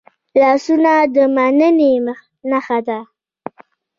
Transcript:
لاسونه د میننې نښه ده